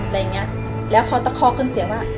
อะไรอย่างเงี้ยแล้วเขาตะคอกขึ้นเสียงว่า